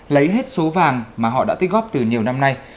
lấy hết số vàng mà họ đã tích góp từ nhiều năm nay